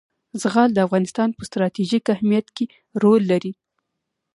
زغال د افغانستان په ستراتیژیک اهمیت کې رول لري.